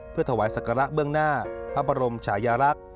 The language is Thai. เพื่อถวายศักระเบื้องหน้าพระบรมชายลักษณ์